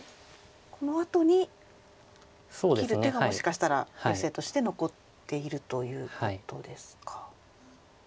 このあとに切る手がもしかしたらヨセとして残っているということですか。